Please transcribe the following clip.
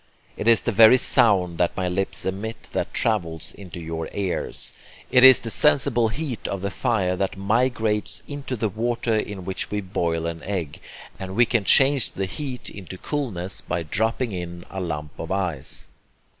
It is the very sound that my lips emit that travels into your ears. It is the sensible heat of the fire that migrates into the water in which we boil an egg; and we can change the heat into coolness by dropping in a lump of ice.